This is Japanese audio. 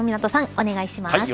お願いします